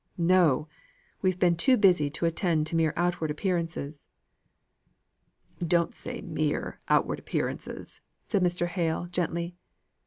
"No! We've been too busy to attend to mere outward appearances." "Don't say mere outward appearances," said Mr. Hale, gently.